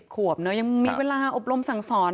ขวบเนอะยังมีเวลาอบรมสั่งสอน